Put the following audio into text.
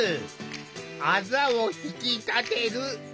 あざを引き立てる。